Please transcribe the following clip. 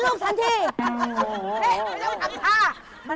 หลังจากเจ็ดสิงหา